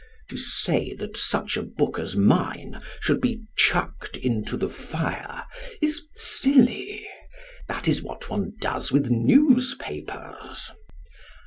To say that such a book as mine should be "chucked into the fire" is silly. That is what one does with newspapers.